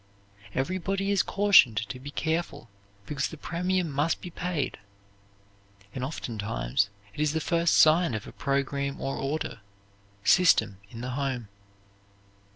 Everybody is cautioned to be careful because the premium must be paid. And oftentimes it is the first sign of a program or order, system in the home.